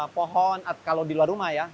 pohon kalau di luar rumah ya